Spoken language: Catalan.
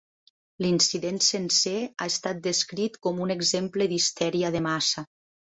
L'incident sencer ha estat descrit com un exemple d'histèria de massa.